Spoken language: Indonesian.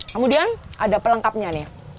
kemudian ada pelengkapnya nih